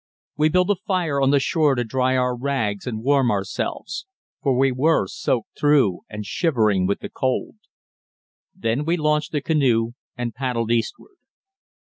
We built a fire on the shore to dry our rags and warm ourselves; for we were soaked through and shivering with the cold. Then we launched the canoe and paddled eastward.